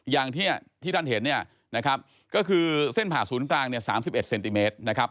อย่างที่ท่านเห็นเนี่ยนะครับก็คือเส้นผ่าศูนย์กลางเนี่ย๓๑เซนติเมตรนะครับ